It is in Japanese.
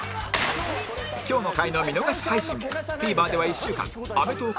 今日の回の見逃し配信も ＴＶｅｒ では１週間アメトーーク